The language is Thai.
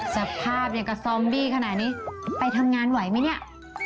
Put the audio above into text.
สภาพอย่างกับซอมบี้ขนาดนี้ไปทำงานไหวไหมเนี่ย